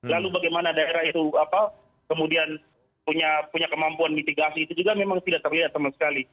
lalu bagaimana daerah itu kemudian punya kemampuan mitigasi itu juga memang tidak terlihat sama sekali